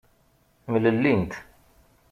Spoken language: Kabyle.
Mlellint.